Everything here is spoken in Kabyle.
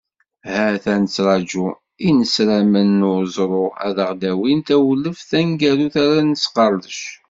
Ha-t-a nettraǧu inesramen n uẓru, ad aɣ-d-awin tawleft taneggarut ara nesqerdec.